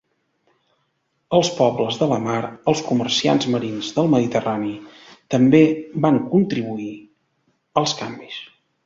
Els pobles de la mar, els comerciants marins del mediterrani, també van contribuir als canvis.